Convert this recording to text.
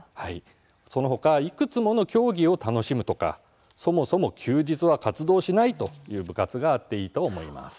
そのほか、いくつもの競技を楽しむとか、そもそも休日は活動をしないという部活があっていいと思います。